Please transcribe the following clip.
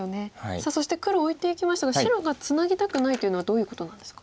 さあそして黒オイていきましたが白がツナぎたくないというのはどういうことなんですか。